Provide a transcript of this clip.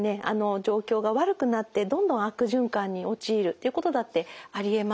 状況が悪くなってどんどん悪循環に陥るっていうことだってありえます。